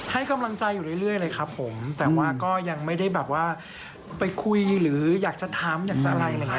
ให้กำลังใจอยู่เรื่อยเลยครับผมแต่ว่าก็ยังไม่ได้แบบว่าไปคุยหรืออยากจะถามอยากจะอะไรอะไรอย่างนี้